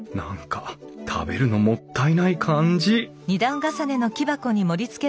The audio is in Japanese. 何か食べるのもったいない感じ